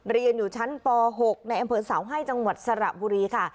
เรียนอยู่ชั้นป๖ในอำเภอเสาให้จังหวัดสระบุรีค่ะ